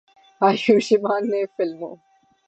آیوشمان نے فلموں